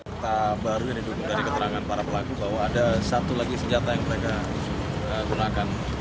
kita baru yang didukung dari keterangan para pelaku bahwa ada satu lagi senjata yang mereka gunakan